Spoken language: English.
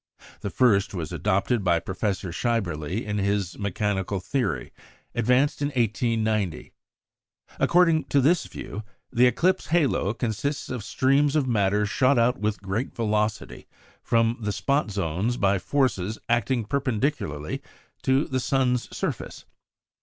The first was adopted by Professor Schaeberle in his "Mechanical Theory," advanced in 1890. According to this view, the eclipse halo consists of streams of matter shot out with great velocity from the spot zones by forces acting perpendicularly to the sun's surface.